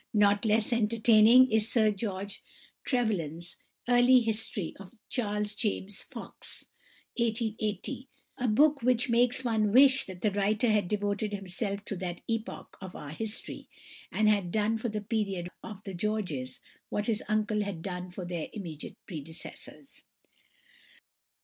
Not less entertaining is Sir George Trevelyan's "Early History of Charles James Fox" (1880), a book which makes one wish that the writer had devoted himself to that epoch of our history, and had done for the period of the Georges what his uncle had done for their immediate predecessors.